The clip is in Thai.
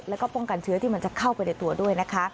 แล้วก็ป้องกันเชื้อที่มันจะเข้าไปในตัวด้วยนะคะ